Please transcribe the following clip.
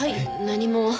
何も。